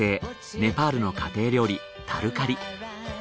ネパールの家庭料理タルカリ。